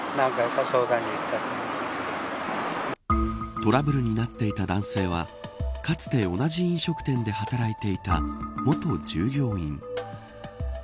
トラブルになっていた男性はかつて同じ飲食店で働いていた元従業員。